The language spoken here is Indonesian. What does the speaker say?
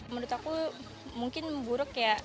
menurut aku mungkin buruk ya